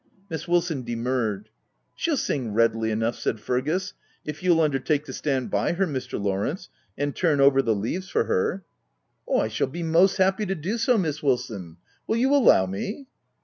Miss Wilson demurred. " She'll sing readily enough," said Fergus, " if you'll undertake to stand by her, Mr. Lawrence, and turn over the leaves for her." " I shall be most happy to do so. Miss Wil son, will you allow me?"